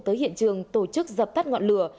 tới hiện trường tổ chức dập thắt ngọn lửa